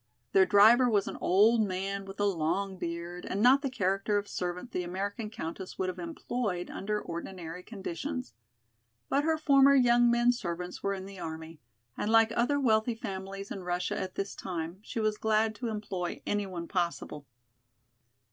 Their driver was an old man with a long beard and not the character of servant the American Countess would have employed under ordinary conditions. But her former young men servants were in the army, and like other wealthy families in Russia at this time, she was glad to employ any one possible.